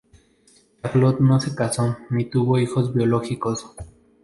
Charlotte no se casó, ni tuvo hijos biológicos.